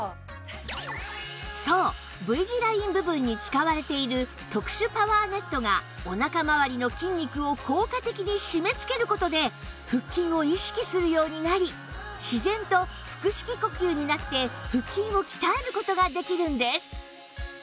そう Ｖ 字ライン部分に使われている特殊パワーネットがお腹まわりの筋肉を効果的に締めつける事で腹筋を意識するようになり自然と腹式呼吸になって腹筋を鍛える事ができるんです